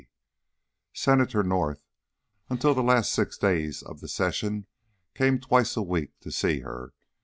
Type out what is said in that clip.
XX Senator North, until the last six days of the session, came twice a week to see her.